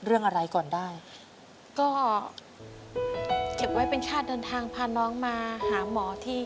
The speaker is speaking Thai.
เรื่องอะไรก่อนได้ก็เก็บไว้เป็นค่าเดินทางพาน้องมาหาหมอที่